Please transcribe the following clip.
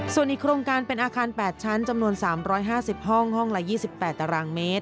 ส่วนอีกโครงการเป็นอาคาร๘ชั้นจำนวน๓๕๐ห้องห้องละ๒๘ตารางเมตร